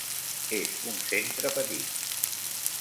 És un centre petit.